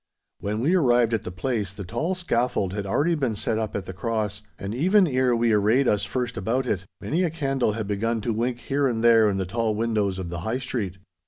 When we arrived at the place the tall scaffold had already been set up at the cross, and even ere we arrayed us first about it, many a candle had begun to wink here and there in the tall windows of the High Street.